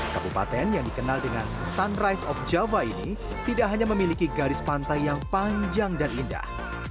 kabupaten yang dikenal dengan sunrise of java ini tidak hanya memiliki garis pantai yang panjang dan indah